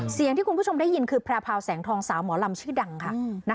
ที่คุณผู้ชมได้ยินคือแพร่พาวแสงทองสาวหมอลำชื่อดังค่ะ